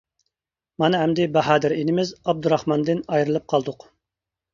مانا ئەمدى باھادىر ئىنىمىز ئابدۇراخماندىن ئايرىلىپ قالدۇق.